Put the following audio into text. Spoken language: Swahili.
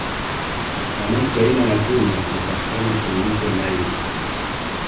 Samaki aina ya tuna wanapatikana kwenye mto naili